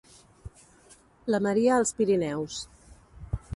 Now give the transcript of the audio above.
La Maria als Pirineus.